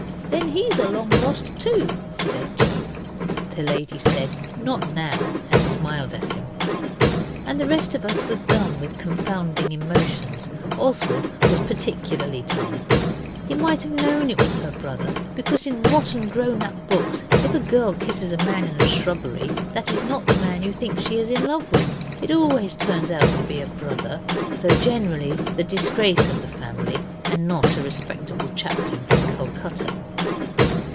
'Then he's a long lost too,' said H. O. The lady said 'Not now' and smiled at him. And the rest of us were dumb with confounding emotions. Oswald was particularly dumb. He might have known it was her brother, because in rotten grown up books if a girl kisses a man in a shrubbery that is not the man you think she's in love with; it always turns out to be a brother, though generally the disgrace of the family and not a respectable chaplain from Calcutta.